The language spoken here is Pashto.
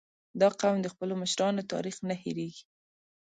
• دا قوم د خپلو مشرانو تاریخ نه هېرېږي.